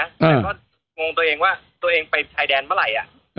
แต่ก็งงตัวเองว่าตัวเองไปชายแดนเมื่อไหร่